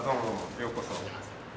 ようこそ。